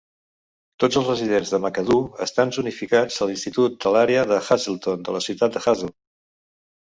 Tots els residents de McAdoo estan zonificats a l'institut de l'àrea de Hazleton a la ciutat de Hazle.